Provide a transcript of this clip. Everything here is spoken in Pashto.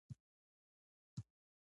د ډبلیو او زیډ بوزون کمزوری ځواک لېږدوي.